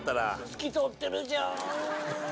透き通ってるじゃん。